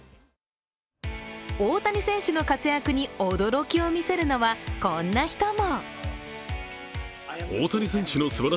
大谷選手の活躍に驚きをみせるのは、こんな人も。